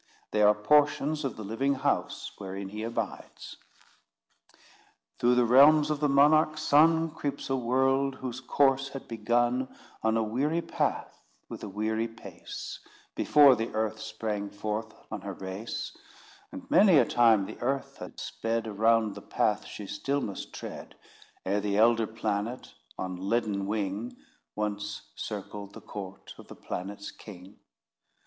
They are portions of the living house wherein he abides. Through the realms of the monarch Sun Creeps a world, whose course had begun, On a weary path with a weary pace, Before the Earth sprang forth on her race: But many a time the Earth had sped Around the path she still must tread, Ere the elder planet, on leaden wing, Once circled the court of the planet's king.